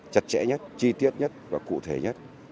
chặt chẽ nhất chi tiết nhất và cụ thể nhất